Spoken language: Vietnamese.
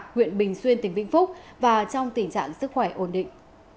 huyện bình xuyên tỉnh vĩnh phúc và trong tình trạng sức khỏe ổn định